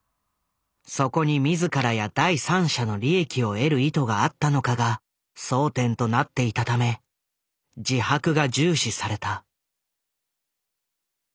そこに自らや第三者の利益を得る意図があったのかが争点となっていたため自白が重視された。